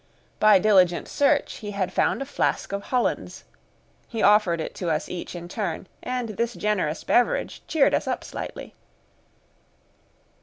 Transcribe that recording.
By diligent search he had found a flask of Hollands; he offered it to us each in turn, and this generous beverage cheered us up slightly.